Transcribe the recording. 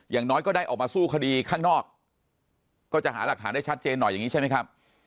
อย่างน้อยก็ได้ออกมาสู้คดีข้างนอกก็จะหาหลักฐานได้ชัดเจนหน่อยอย่างนี้ใช่ไหมครับ